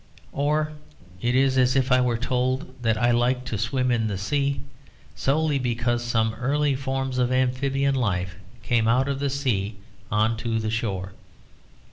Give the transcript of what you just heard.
Or it is as if I were told that I liked to swim in the sea, solely because some early forms of amphibian life came out of the sea on to the shore.